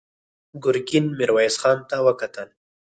ګرګين ميرويس خان ته وکتل.